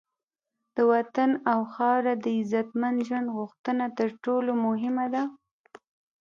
د وطن او خاوره د عزتمند ژوند غوښتنه تر ټولو مهمه ده.